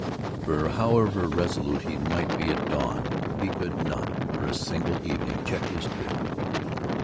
for however resolute he might be at dawn, he could not, for a single evening, check his drift.